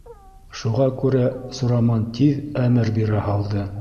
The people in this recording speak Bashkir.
Шуға күрә Сураман тиҙ әмер бирә һалды: